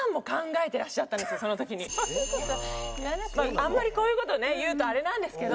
あんまりこういう事ね言うとあれなんですけど。